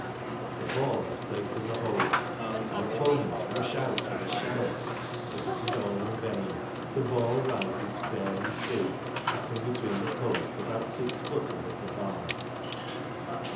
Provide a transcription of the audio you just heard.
The ball is placed in the hole ; our opponents rush out with a shout ; but it is all in vain. The ball rises fair and true, pass ing between the posts about six feet above the bar.